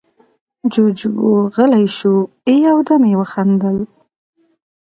جُوجُو غلی شو، يو دم يې وخندل: